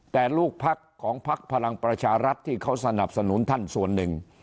แต่ลูกพักของพักพลังประชารัฐที่เขาสนับสนุนท่านส่วนหนึ่ง